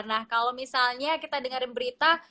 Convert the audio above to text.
nah kalau misalnya kita dengerin berita